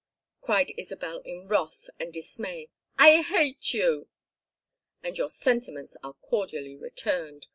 cried, Isabel in wrath and dismay. "I hate you!" "And your sentiments are cordially returned.